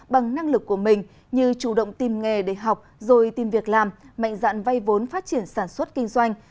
bằng năng lực của mình như chủ động tìm nghề để học rồi tìm việc làm mạnh dạn vay vốn phát triển sản xuất kinh doanh